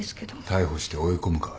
逮捕して追い込むか？